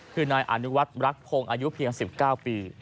คือนายอนุวัฒน์รักพงศ์อายุเพียง๑๙ปี